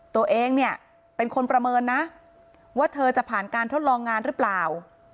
ตัวเองเนี่ยเป็นคนประเมินนะว่าเธอจะผ่านการทดลองงานหรือเปล่า